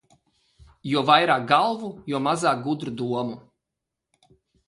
Jo vairāk galvu, jo mazāk gudru domu.